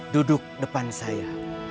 duduk depan saya